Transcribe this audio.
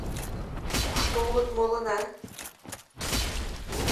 Кушто улыт молына?»